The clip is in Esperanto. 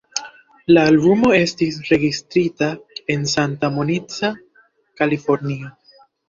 La albumo estis registrita en Santa Monica, Kalifornio.